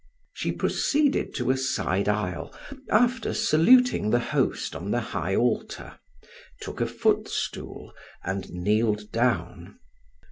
She proceeded to a side aisle after saluting the Host on the High Altar, took a footstool, and kneeled down.